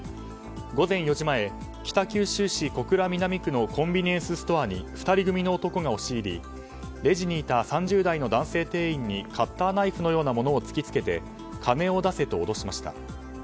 午前４時前、北九州市小倉南区のコンビニエンスストアに２人組の男が押し入りレジにいた３０代の男性店員にカッターナイフのようなものを突き付けて金を出せと脅しました。